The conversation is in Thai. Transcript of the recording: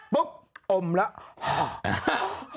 ปุ๊บแล้ว